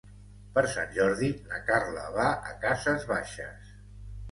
Per Sant Jordi na Carla va a Cases Baixes.